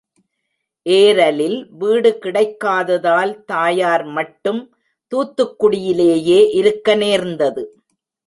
ஏரலில் வீடு கிடைக்காததால் தாயார் மட்டும் தூத்துக்குடியிலேயே இருக்க நேர்ந்தது.